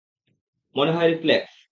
মনে হয় রিফ্লেক্স।